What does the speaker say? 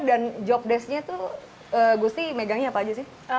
dan jobdesknya tuh gusti megangnya apa aja sih